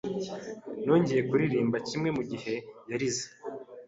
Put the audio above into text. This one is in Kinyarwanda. Nongeye kuririmba kimwe Mugihe yarize